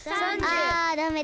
あダメだ。